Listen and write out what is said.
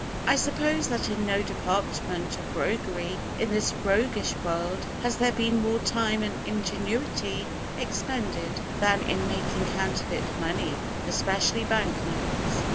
I suppose that in no department of roguery in this roguish world, has there been more time and ingenuity expended, than in making counterfeit money, especially bank notes.